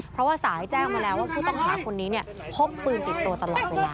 เพราะว่าสายแจ้งมาแล้วว่าผู้ต้องหาคนนี้พกปืนติดตัวตลอดเวลา